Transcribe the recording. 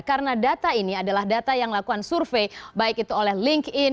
karena data ini adalah data yang lakukan survei baik itu oleh linkedin